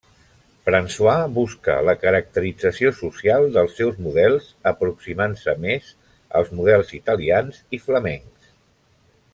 François busca la caracterització social dels seus models, aproximant-se més als models italians i flamencs.